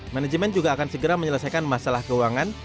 manajemen juga akan segera menyelesaikan masalah keuangan